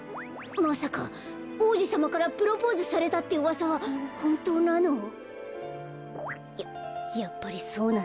まさかおうじさまからプロポーズされたってうわさはほんとうなの？ややっぱりそうなんだ。